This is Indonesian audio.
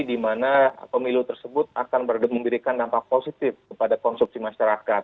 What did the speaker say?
dimana pemilu tersebut akan berdiri memberikan dampak positif kepada konsumsi masyarakat